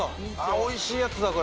おいしいやつだこれ。